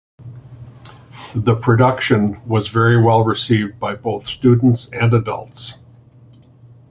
The production was very well received by both students and adults.